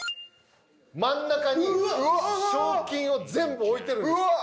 真ん中に賞金を全部置いてるんです。